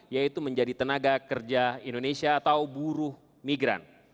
yaitu menjadi tenaga kerja indonesia atau buruh migran